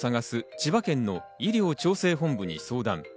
千葉県の医療調整本部に相談。